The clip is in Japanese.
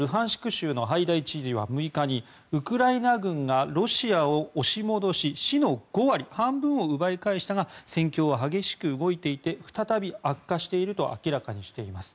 州のハイダイ知事は６日にウクライナ軍がロシアを押し戻し市の５割、半分を奪い返したが戦況は激しく動いていて再び悪化していると明らかにしています。